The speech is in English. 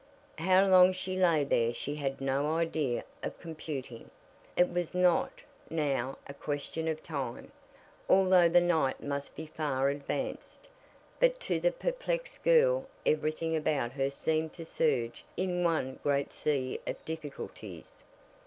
How long she lay there she had no idea of computing it was not now a question of time, although the night must be far advanced, but to the perplexed girl everything about her seemed to surge in one great sea of difficulties.